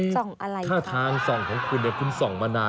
ส่องอะไรถ้าทางส่องของคุณเนี่ยคุณส่องมานาน